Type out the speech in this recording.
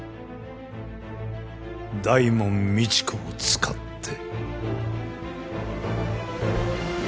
大門未知子を使って。